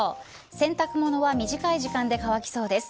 洗濯物は短い時間で乾きそうです。